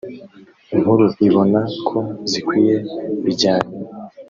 nkuru ibona ko zikwiye bijyanye